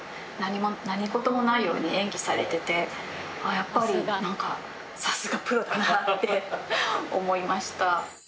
やっぱりなんかさすがプロだなって思いました。